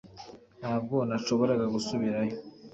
Ntabwo nashoboraga gusubirayo